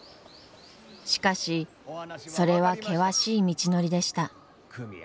しかしそれは険しい道のりでした。